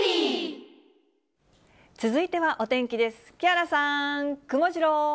続いてはお天気です。